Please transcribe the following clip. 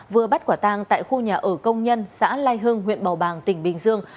vừa bắt quả tang tại khu nhà ở công nhân xã lai hưng huyện bầu bàng tỉnh bình dương